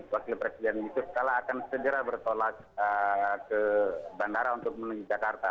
wakil presiden yusuf kalla akan segera bertolak ke bandara untuk menuju jakarta